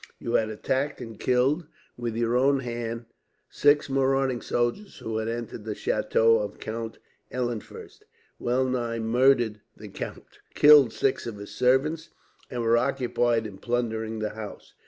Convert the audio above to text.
You had attacked and killed, with your own hand, six marauding soldiers; who had entered the chateau of Count Eulenfurst, well nigh murdered the count, killed six of his servants, and were occupied in plundering the house.